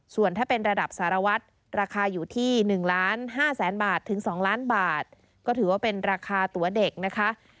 ส่วนถ้าเป็นระดับสารวัตรราคาอยู่ที่๑ล้าน๕แสนบาทถึง๒ล้านบาทก็ถือว่าเป็นราคาตัวเด็กนะคะ